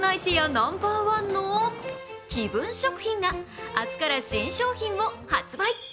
ナンバーワンの紀文食品が明日から新商品を発売。